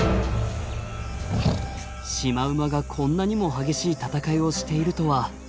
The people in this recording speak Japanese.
シマウマがこんなにも激しい戦いをしているとは。